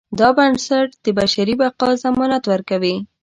دا بنسټ د بشري بقا ضمانت ورکوي.